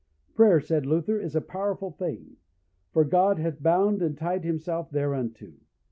Prayer, said Luther, is a powerful thing; for God hath bound and tied himself thereunto.